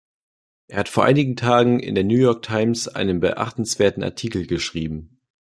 Er hat vor einigen Tagen in der New York Times einen beachtenswerten Artikel geschrieben.